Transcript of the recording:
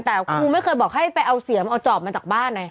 แต่ครูไม่เคยบอกให้ไปเอาเสียมเอาจอบมาจากบ้านไง